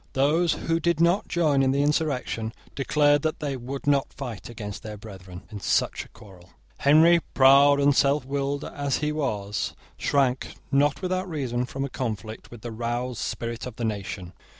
Those who did not join in the insurrection declared that they would not fight against their brethren in such a quarrel. Henry, proud and selfwilled as he was, shrank, not without reason from a conflict with the roused spirit of the nation.